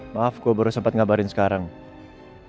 maaf gue baru sempet ngabarin sekarang ya